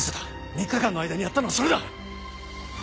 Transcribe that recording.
３日間の間にやったのはそれだ！